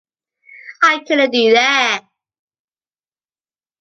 I couldn't do that.